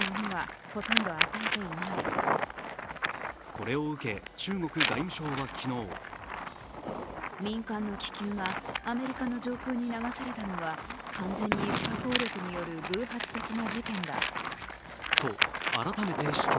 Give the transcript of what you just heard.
これを受け、中国外務省は昨日。と改めて主張。